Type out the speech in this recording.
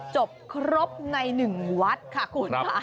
จบครบใน๑วัดค่ะคุณค่ะ